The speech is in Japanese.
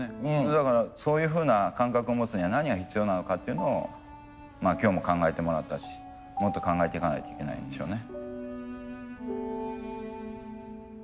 だからそういうふうな感覚を持つには何が必要なのかっていうのを今日も考えてもらったしもっと考えていかないといけないんでしょうね。